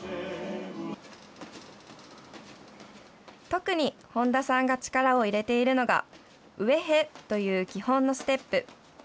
特に本多さんが力を入れているのが、ウウェヘという基本のステップ。